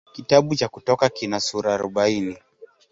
Kitabu cha Kutoka kina sura arobaini.